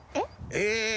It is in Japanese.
え！